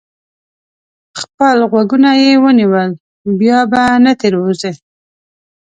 خپل غوږونه یې ونیول؛ بیا به نه تېروځي.